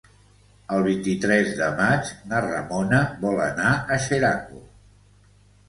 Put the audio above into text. El vint-i-tres de maig na Ramona vol anar a Xeraco.